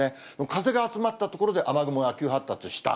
風が集まった所で雨雲が急発達した。